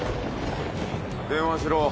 電話しろ。